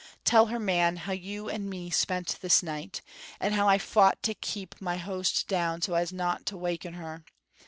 Tell her, man, how you and me spent this night, and how I fought to keep my hoast down so as no' to waken her.